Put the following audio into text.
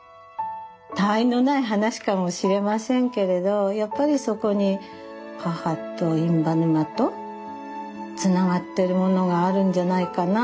たわいのない話かもしれませんけれどやっぱりそこに母と印旛沼とつながってるものがあるんじゃないかな。